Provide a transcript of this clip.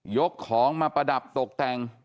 ของมาประดับตกแต่ง